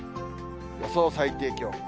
予想最低気温。